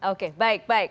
oke baik baik